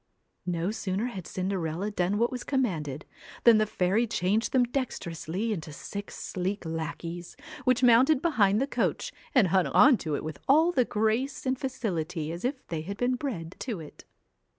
No sooner had Cinderella done what was com manded, than the fairy changed them dexterously into six sleek lackeys, which mounted behind the coach and hung on to it with all the grace and facility as if they had been bred to it.